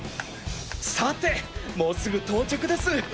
さてもうすぐ到着です。